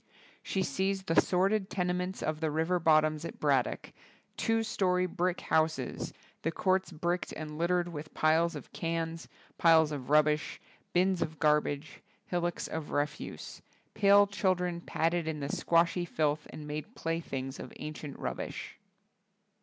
She sees the sordid tenements of the river bottoms at Braddock, ''two story brick houses. .. the courts bricked and littered with piles of cans, piles of rubbish, bins of garbage, hillocks of refuse. . .pale chil dren paddled in the squashy filth and made playthings of ancient rubbish."